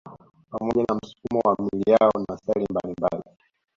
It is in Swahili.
Pamoja na msukumo wa miili yao na staili mbalimbali